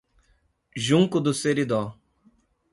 Junco do Seridó